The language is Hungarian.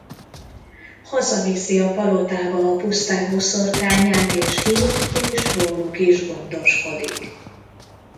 Hazaviszi a palotába a Puszták Boszorkányát és Hinnt és róluk is gondoskodik.